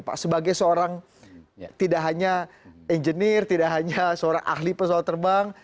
pak sebagai seorang tidak hanya engineer tidak hanya seorang ahli pesawat terbang